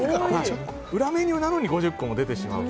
裏メニューなのに５０個出てしまう。